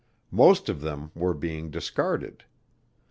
Most of them were being discarded.